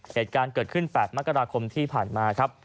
เหตุการณ์เกิดขึ้น๘มกราคมที่ผ่านมาครับ